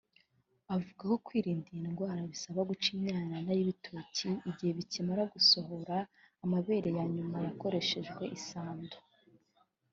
Avuga ko kwirinda iyi ndwara bisaba guca imyanana y’ibitoki igihe bikimara gusohora amabere ya nyuma hakoreshejwe isando